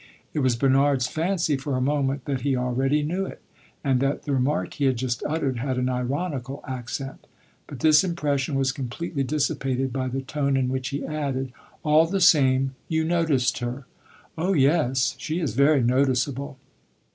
It was Bernard's fancy, for a moment, that he already knew it, and that the remark he had just uttered had an ironical accent; but this impression was completely dissipated by the tone in which he added "All the same, you noticed her." "Oh, yes; she is very noticeable."